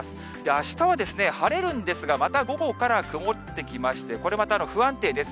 あしたは晴れるんですが、また午後から曇ってきまして、これまた不安定です。